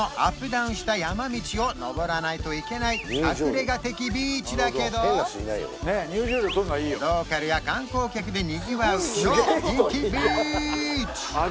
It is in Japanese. ダウンした山道をのぼらないといけない隠れ家的ビーチだけどローカルや観光客でにぎわう超人気ビーチ！